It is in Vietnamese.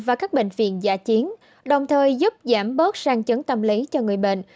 và các bệnh viện giả chiến đồng thời giúp giảm bớt sang chấn tâm lý cho người bệnh